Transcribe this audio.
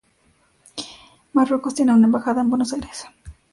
Marruecos tiene una embajada en Buenos Aires.